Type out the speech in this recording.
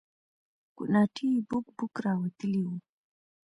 کوناټي يې بوک بوک راوتلي وو.